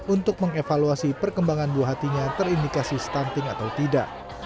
untuk mengevaluasi perkembangan buah hatinya terindikasi stunting atau tidak